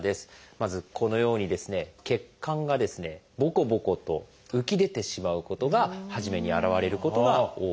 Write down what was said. まずこのように血管がボコボコと浮き出てしまうことが初めに現れることが多いんです。